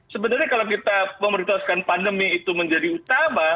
sebenarnya kalau kita memerlukan pandemi itu menjadi utama